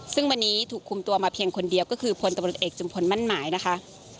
ซึ่งวันนี้ถูกคุมตัวมาเพียงคนเดียวก็คือพลตำรวจเอกจุมพลมั่นหมายนะคะ